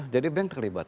jadi bank terlibat